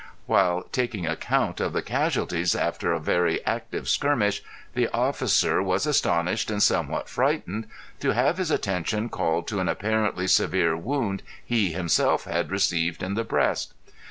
While taking account of the casualties after a very active skirmish the officer was astonished and somewhat frightened to have his attention called to an apparently severe wound he himself had received in the breast.